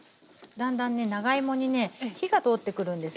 だんだんね長芋に火が通ってくるんですね。